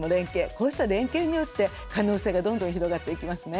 こうした連携によって可能性がどんどん広がっていきますね。